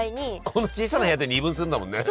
この小さな部屋で二分するんだもんね。